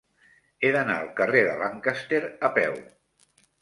He d'anar al carrer de Lancaster a peu.